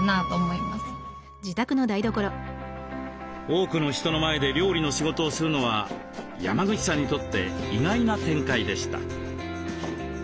多くの人の前で料理の仕事をするのは山口さんにとって意外な展開でした。